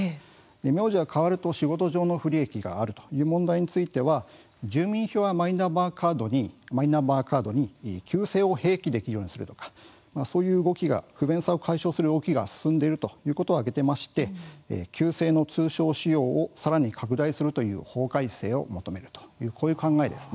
名字が変わると仕事上の不利益が出るという問題については住民票やマイナンバーカードに旧姓を併記できるようにするとかそういう不便さを解消する動きが進んでいることが出ていまして旧姓の通称使用をさらに拡大するという法改正を求めているという考えです。